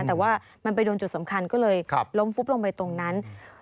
แต่ว่ามันไปโดนจุดสำคัญก็เลยล้มฟุบลงไปตรงนั้น